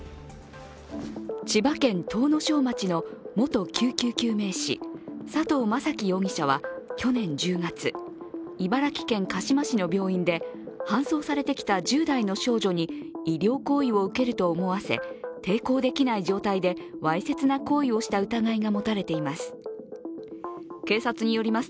千葉県東庄町の元救命救急士、佐藤将樹容疑者は、去年１０月、茨城県鹿嶋市の病院で搬送されてきた１０代の少女に医療行為を受けると思わせ、抵抗できない状態で、わいせつな行為をした疑いが持たれています。